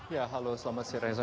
ya halo selamat siang